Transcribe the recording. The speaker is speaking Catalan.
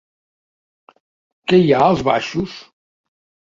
Què hi ha als baixos?